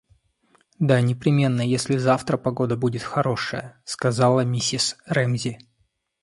– Да, непременно, если завтра погода будет хорошая, – сказала миссис Рэмзи.